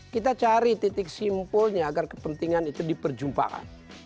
kita cari titik simpulnya agar kepentingan itu diperjumpaan